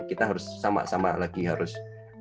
kita harus sama sama lagi harus